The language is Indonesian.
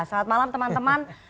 selamat malam teman teman